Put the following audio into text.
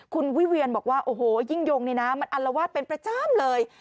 คุณวิเวียนบอกว่าโอ้โหยิ่งยงนี่นะมันอัลวาดเป็นประจำเลย